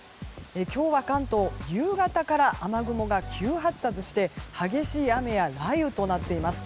今日は関東、夕方から雨雲が急発達して激しい雨や雷雨となっています。